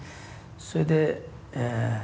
それでえ